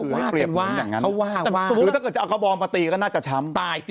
หรือถ้าเกิดกระบองมาตีก็น่าจะช้ำ